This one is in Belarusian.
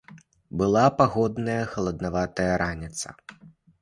Была пагодная, халаднаватая раніца.